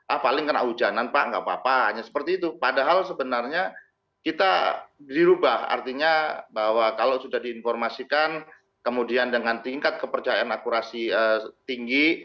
ah paling kena hujanan pak nggak apa apa hanya seperti itu padahal sebenarnya kita dirubah artinya bahwa kalau sudah diinformasikan kemudian dengan tingkat kepercayaan akurasi tinggi